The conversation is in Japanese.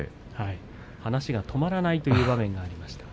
話が止まらないという場面がありました。